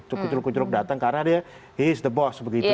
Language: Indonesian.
cukup cukup datang karena dia he is the boss begitu